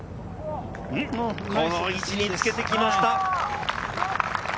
この位置につけてきました。